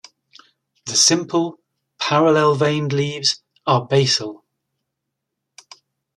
The simple, parallel-veined leaves are basal.